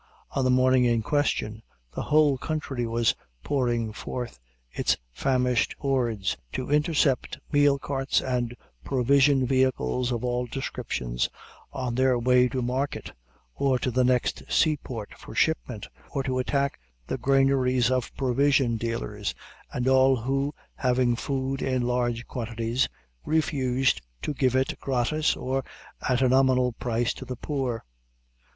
On the morning in question, the whole country was pouring forth its famished hordes to intercept meal carts and provision vehicles of all descriptions, on their way to market or to the next sea port for shipment; or to attack the granaries of provision dealers, and all who, having food in large quantities, refused to give it gratis, or at a nominal price to the poor.